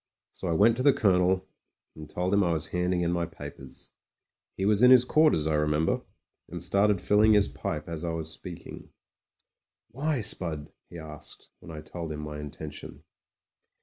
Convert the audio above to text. So I went to the Colonel, and told him I was handing in my papers. He was in his quarters, I remember, and started filling his pipe as I was speaking. SPUD TREVOR OF THE RED HUSSARS 97 "W^y, Spud?" he asked, when I told him my in tention.